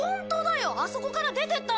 あそこから出てったんだ！